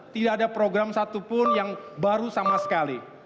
tidak ada program satupun yang baru sama sekali